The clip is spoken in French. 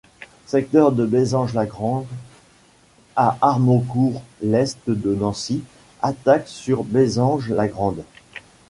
Secteur de Bezange-la-Grande à Armaucourt l'est de Nancy...attaque sur Bezange-la-Grande.